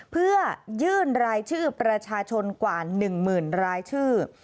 เพื่อยื่นรายชื่อประชาชนกว่า๑หมื่นรายชื่อ